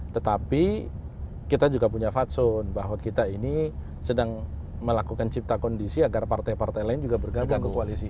tetapi kita juga punya fatsun bahwa kita ini sedang melakukan cipta kondisi agar partai partai lain juga bergabung ke koalisi